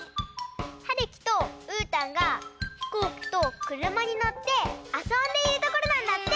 はるきとうーたんがひこうきとくるまにのってあそんでいるところなんだって。